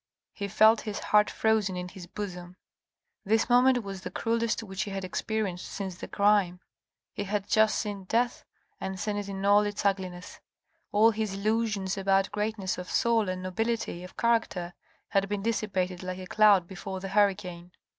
He felt his heart frozen in his bosom. This moment was the cruellest which he had experienced since the crime. He had just seen death and seen it in all its ugliness. All his illusions about greatness of soul and nobility of character had been dissipated like a cloud before the hurricane.